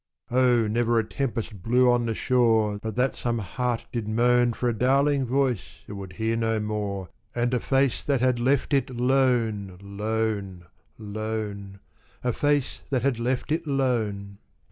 Oh! never a tempest blew on the shore But that some heart did moan For a darling voice it would hear no more And a face that had left it lone, lone, lone A face that had left it lone!